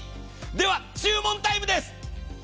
では注文タイムです。